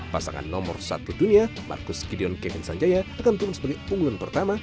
pasangan nomor satu dunia marcus gideon kevin sanjaya akan turun sebagai unggulan pertama